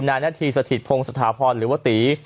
นายหน้าที่สถิตพงษ์สถาพรหรือว่าตี